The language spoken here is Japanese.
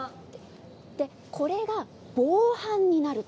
これが防犯になる。